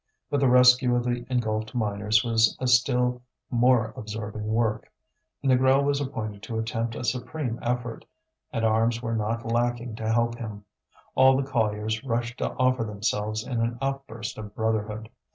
But the rescue of the engulfed miners was a still more absorbing work. Négrel was appointed to attempt a supreme effort, and arms were not lacking to help him; all the colliers rushed to offer themselves in an outburst of brotherhood.